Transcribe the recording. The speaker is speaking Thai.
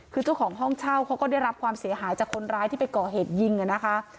คือเจ้าของห้องเช่าเขาก็ได้รับความเสียหายจากคนร้ายที่ไปก่อเหตุยิงนะคะ